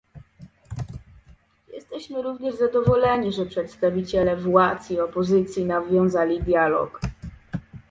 Jesteśmy również zadowoleni, że przedstawiciele władz i opozycji nawiązali dialog